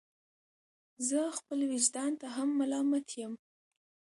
زه خپل ویجدان ته هم ملامت یم.